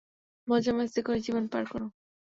মজা মাস্তি করে জীবন পাড় করো।